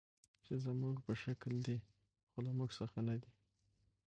چې زموږ په شکل دي، خو له موږ څخه نه دي.